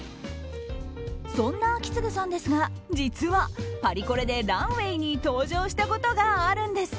そんな章胤さんですが実はパリコレでランウェーに登場したことがあるんです。